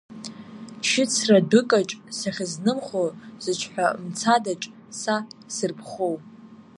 Шьыцра дәыкаҿ сахьызнымхо, зыҽҳәа мцадаҿ са сырԥхоу.